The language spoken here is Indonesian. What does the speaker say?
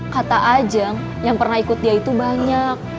kata ajang yang pernah ikut dia itu banyak